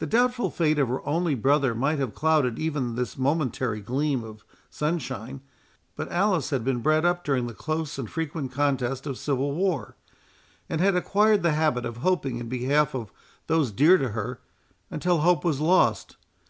The doubtful fate of her only brother might have clouded even this momentary gleam of sunshine; but Alice had been bred up during the close and frequent contest of civil war, and had acquired the habit of hoping in behalf of those dear to her, until hope was lost.